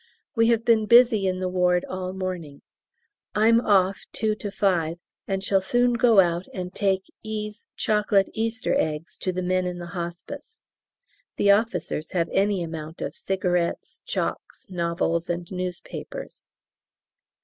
We have been busy in the ward all the morning. I'm off 2 5, and shall soon go out and take E.'s chocolate Easter eggs to the men in the hospice. The officers have any amount of cigarettes, chocs., novels, and newspapers.